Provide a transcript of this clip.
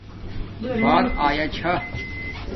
بݳر آیاچھݳ